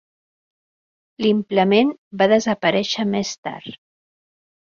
L"implement va desaparèixer més tard.